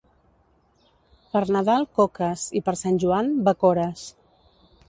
Per Nadal, coques, i per Sant Joan, bacores.